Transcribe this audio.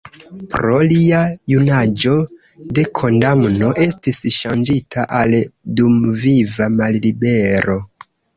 Pro lia junaĝo la kondamno estis ŝanĝita al dumviva mallibero.